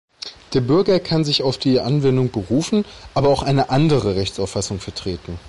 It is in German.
Der Bürger kann sich auf die Anwendung berufen, aber auch eine andere Rechtsauffassung vertreten.